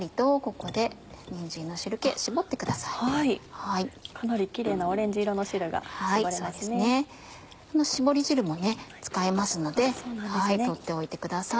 この絞り汁も使えますので取っておいてください。